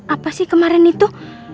apa sih kemarin itu